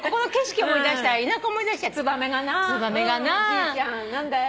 「じいちゃん何だい？」